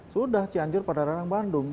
sudah cianjur padalarang bandung